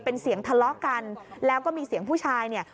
เป็นเสียงทะเลาะกันแล้วก็มีเสียงผู้ชายเนี่ย